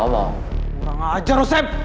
udah gak ajar lo sem